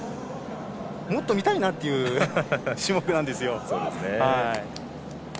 もっと見たいなっていう種目なんですよ。